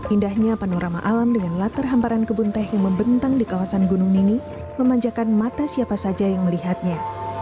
indahnya panorama alam dengan latar hamparan kebun teh yang membentang di kawasan gunung ini memanjakan mata siapa saja yang melihatnya